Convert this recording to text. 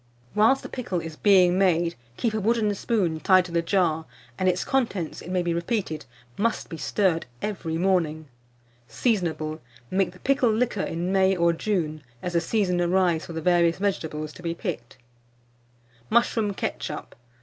Whilst the pickle is being made, keep a wooden spoon tied to the jar; and its contents, it may be repeated, must be stirred every morning. Seasonable. Make the pickle liquor in May or June, as the season arrives for the various vegetables to be picked. MUSHROOM KETCHUP. 472.